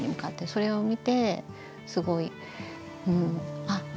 それを見てすごい。